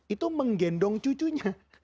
itu menggendong cucunya